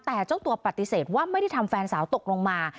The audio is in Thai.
แต่เจ้าตัวปฏิเสธว่าไม่ได้ทำแฟนสาวตกลงมา